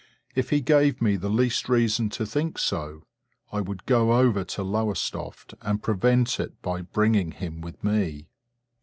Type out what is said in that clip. If he gave me the least reason to think so, I would go over to Lowestoft and prevent it by bringing him with me.